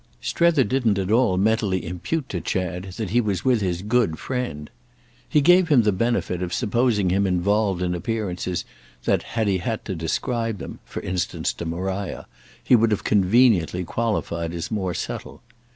Strether didn't at all mentally impute to Chad that he was with his "good friend"; he gave him the benefit of supposing him involved in appearances that, had he had to describe them—for instance to Maria—he would have conveniently qualified as more subtle.